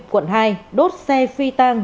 quận hai đốt xe phi tàng